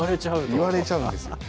言われちゃうんですよ。